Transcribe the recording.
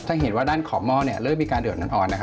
ถ้าเห็นว่าด้านขอบหม้อเริ่มมีการเดือดน้ำอ่อน